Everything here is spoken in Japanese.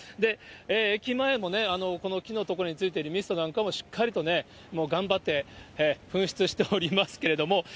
駅前もね、この木のところについているミストなんかもしっかりとね、もう頑張って噴出しておりますけれども。